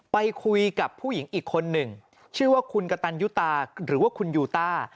ไปคุยกับผู้หญิงอีกคนหนึ่งชื่อว่าคุณกะตันยุตาหรือว่าคุณยูต้า